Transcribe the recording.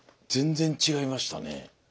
全然違いましたね。